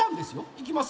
いきますよ！